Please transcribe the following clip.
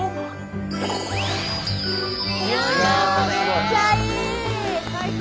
めっちゃいい！最高！